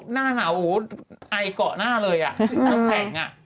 หน้าเหนาไอเกาะหน้าเลยแล้วแผ่ง